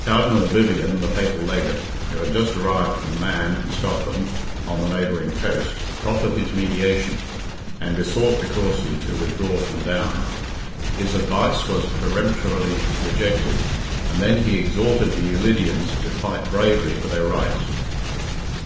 Cardinal Vivian, the Papal Legate, who had just arrived from Man and Scotland, on the neighbouring coast, proffered his mediation, and besought de Courcy to withdraw from Down. His advice was peremptorily rejected, and then he exhorted the Ulidians to fight bravely for their rights.